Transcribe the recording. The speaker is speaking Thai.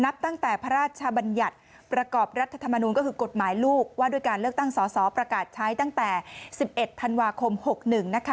การเลือกตั้งสอสอประกาศใช้ตั้งแต่๑๑ธันวาคม๖๑นะคะ